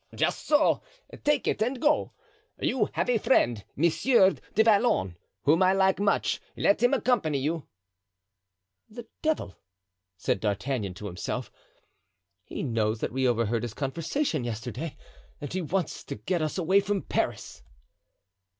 "Just so, take it and go. You have a friend, Monsieur du Vallon, whom I like much; let him accompany you." "The devil!" said D'Artagnan to himself. "He knows that we overheard his conversation yesterday and he wants to get us away from Paris."